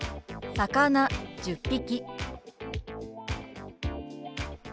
「魚１０匹」。